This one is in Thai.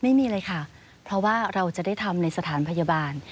ไม่มีเลยค่ะเพราะว่าเราจะได้ทำในสถานพยาบาล